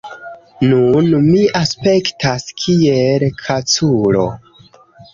Nun mi aspektas kiel kaculo